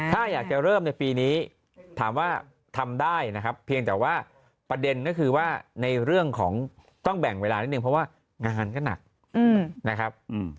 ถ้าอยากจะเริ่มในปีนี้ถามว่าทำได้นะครับเพียงแต่ว่าประเด็นก็คือว่าในเรื่องของต้องแบ่งเวลานิดนึงเพราะว่างานก็หนักนะครับ